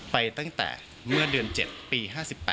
ไปตั้งแต่เมื่อเดือน๗ปี๕๘